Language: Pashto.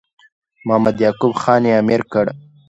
محمد یعقوب خان یې امیر کړ.